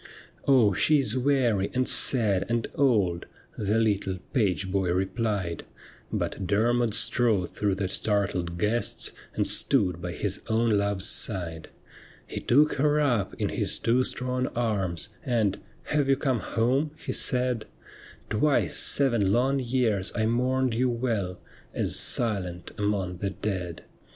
' Oh, she is weary, and sad, and old,' The little page boy replied ; But Dermod strode through the startled guests, And stood by his own love's side. He took her up in his two strong arms, And, ' Have you come home ?' he said ;' Twice seven long years I mourned you well As silent among the dead.'